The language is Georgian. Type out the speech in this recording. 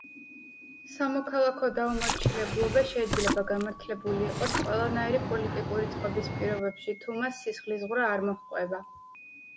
სამოქალაქო დაუმორჩილებლობა შეიძლება გამართლებული იყოს ყველანაირი პოლიტიკური წყობის პირობებში, თუ მას სისხლისღვრა არ მოჰყვება.